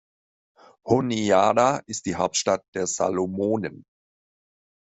Honiara ist die Hauptstadt der Salomonen.